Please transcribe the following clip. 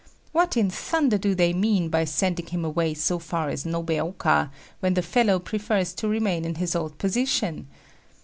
What in thunder do they mean by sending him away so far as Nobeoka when the fellow prefers to remain in his old position?